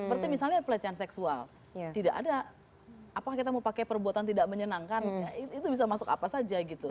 seperti misalnya pelecehan seksual tidak ada apakah kita mau pakai perbuatan tidak menyenangkan itu bisa masuk apa saja gitu